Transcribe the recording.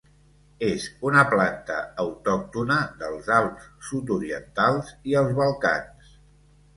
És una planta autòctona dels Alps sud-orientals i els Balcans.